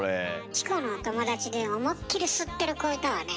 チコのお友達で思いっきり吸ってる子いたわね。